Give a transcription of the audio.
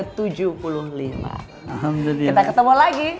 kita ketemu lagi